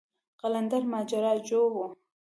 قلندر ماجراجو و.